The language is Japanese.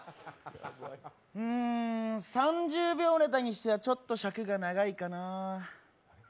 うーん、３０秒ネタにしてはちょっと尺が長いかな。